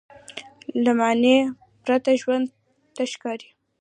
له معنی پرته ژوند تش ښکاري.